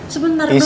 sebentar doang mas